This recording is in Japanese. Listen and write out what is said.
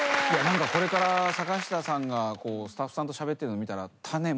これから坂下さんがスタッフさんとしゃべってんの見たら。